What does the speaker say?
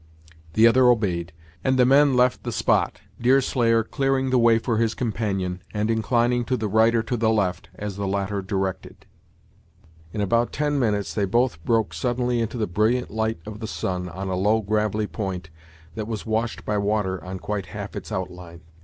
The other obeyed, and the men left the spot, Deerslayer clearing the way for his companion, and inclining to the right or to the left, as the latter directed. In about ten minutes they both broke suddenly into the brilliant light of the sun, on a low gravelly point, that was washed by water on quite half its outline.